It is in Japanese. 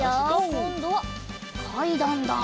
こんどはかいだんだ。